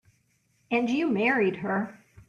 And you married her.